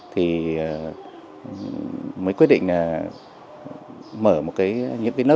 thì mới quyết định mở những lớp nghề